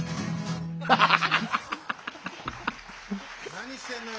何してんのよ。